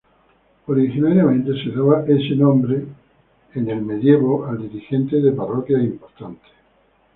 Originariamente, se daba ese nombre al dirigente de parroquias importantes medievales.